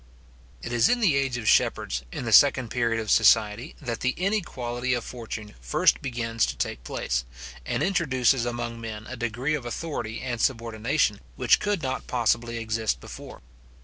It is in the age of shepherds, in the second period of society, that the inequality of fortune first begins to take place, and introduces among men a degree of authority and subordination, which could not possibly exist before.